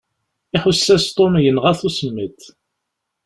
Iḥuss-as Tom yenɣa-t usemmiḍ.